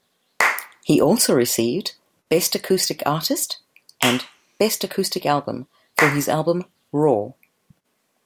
He also received "best acoustic artist" and "best acoustic album" for his album "Raw".